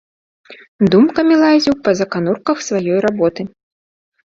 Думкамі лазіў па заканурках сваёй работы.